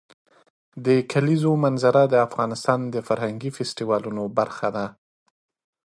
د کلیزو منظره د افغانستان د فرهنګي فستیوالونو برخه ده.